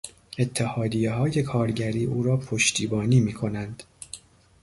اتحادیههای کارگری او را پشتیبانی میکنند.